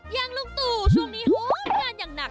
อย่างลุงตู่ช่วงนี้งานอย่างหนัก